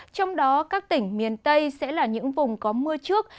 trong đó các tỉnh miền tây sẽ là những vùng có mưa trước